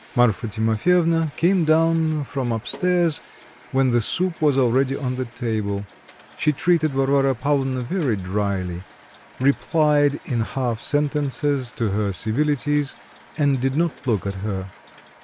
Marfa Timofyevna came down from up stairs, when the soup was already on the table. She treated Varvara Pavlovna very drily, replied in half sentences to her civilities, and did not look at her.